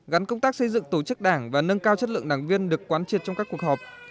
gắn công tác xây dựng tổ chức đảng và nâng cao chất lượng đảng viên được quán triệt trong các cuộc họp